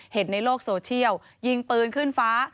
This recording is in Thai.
เห็นในโลกโซเชียลยิงปืนขึ้นฟ้า